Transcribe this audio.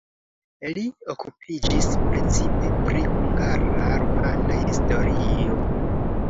Li okupiĝis precipe pri hungara-rumana historio.